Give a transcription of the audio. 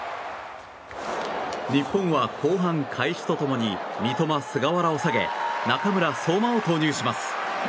日本は後半開始と共に三笘、菅原を下げ中村、相馬を投入します。